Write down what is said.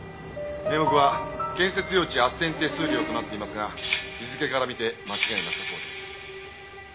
名目は建設用地斡旋手数料となっていますが日付から見て間違いなさそうです。